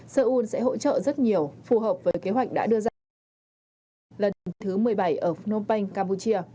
seoul sẽ hỗ trợ rất nhiều phù hợp với kế hoạch đã đưa ra lần thứ một mươi bảy ở phnom penh campuchia